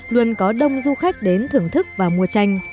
luôn có đông du khách đến thưởng thức và mua tranh